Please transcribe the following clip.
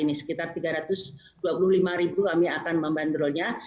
jadi sekitar rp tiga ratus dua puluh lima kami akan membandrolnya